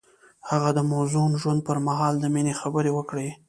هغه د موزون ژوند پر مهال د مینې خبرې وکړې.